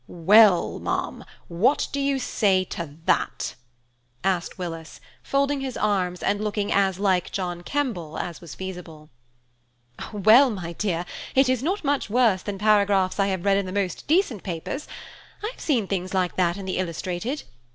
"Well, ma'am, what do you say to that?" asked Willis, folding his arms, and looking as like John Kemble as was feasible. "Well, my dear, it is not much worse than paragraphs I have read in the most decent papers–I have seen things like that in the Illustrated.